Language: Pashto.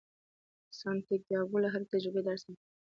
سانتیاګو له هرې تجربې درس اخلي.